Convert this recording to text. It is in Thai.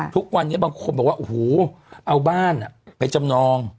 ทุกวันนี้บางคนบอกว่าโอ้โหเอาบ้านไปจำนอง